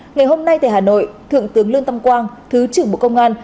ngày hôm nay tại hà nội thượng tướng lương tâm quang thứ trưởng bộ công an